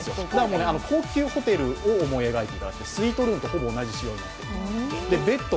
高級ホテルを思い描いていただいてスイートルームとほぼ同じ仕様になっている。